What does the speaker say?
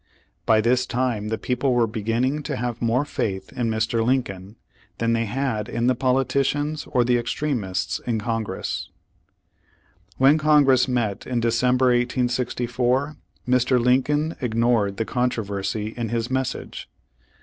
By this time the people were beginning to have more faith in Mr, Lincoln than they had in the politicians or the ex tremists in Congress, When Congress met in December, 1864, Mr. Lincoln ignored the controversy in his message.